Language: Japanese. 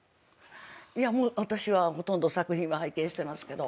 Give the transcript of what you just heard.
いやもう私はほとんど作品は拝見してますけど。